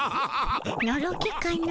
のろけかの。